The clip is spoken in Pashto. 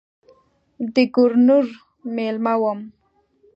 د ګورنر مېلمه وم.